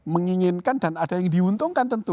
menginginkan dan ada yang diuntungkan tentu